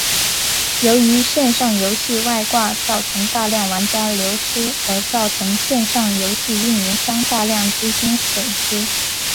由于线上游戏外挂造成大量玩家流失而造成线上游戏营运商大量资金损失。